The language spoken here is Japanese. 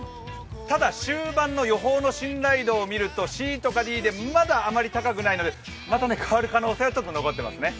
ただ、終盤の予報の信頼度を見るとＣとかＤなのでまだあまり高くないので、また変わる可能性は残っていますね。